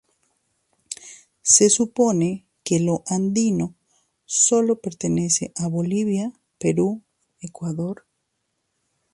Se supone que lo andino sólo pertenece a Bolivia, Perú, Ecuador.